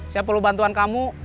saya perlu bantuan kamu